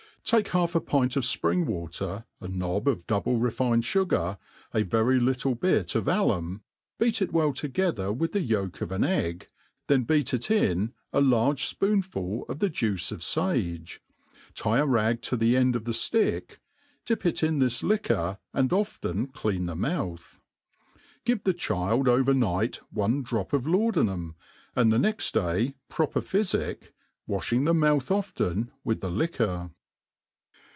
> TAKE half a pint of fpring water, a knob of double re« fined fugar, a very little bit of alum, heat it well together with the yolk of an egg, then beat it in a large fpoonfijl of the juice of fage, tie a rag to the end of the ftick, dip it in this iiquor, and often clean the mouth. Give the child over*. right one drop of laudanum, and the next day proper p^yfic, wafhing the mouth often with the liquor.